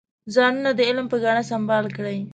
ځانونه د علم په ګاڼه سنبال کړئ.